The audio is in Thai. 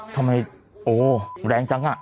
ทำไมโอ้แรงจังอ่ะ